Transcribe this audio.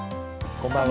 こんばんは。